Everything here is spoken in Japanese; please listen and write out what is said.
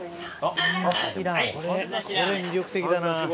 これ魅力的だな。